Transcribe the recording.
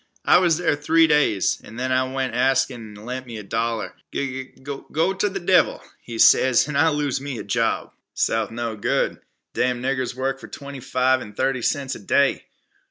I was there three days, and then I went an' ask 'im t' lend me a dollar. 'G g go ter the devil,' he ses, an' I lose me job." "South no good. Damn niggers work for twenty five an' thirty cents a day.